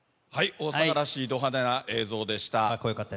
大阪らしいど派手な映像でした。